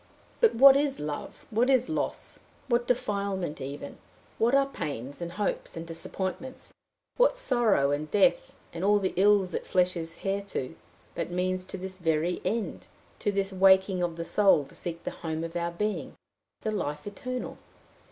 But what is love, what is loss, what defilement even, what are pains, and hopes, and disappointments, what sorrow, and death, and all the ills that flesh is heir to, but means to this very end, to this waking of the soul to seek the home of our being the life eternal?